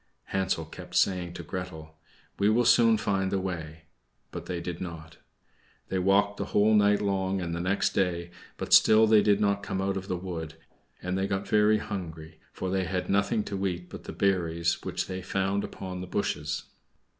Hansel kept saying to Gretel, "We will soon find the way." But they did not. They walked the whole night long and the next day, but still they did not come out of the wood; and they got very hungry, for they had nothing to eat but the berries which they found upon the bushes.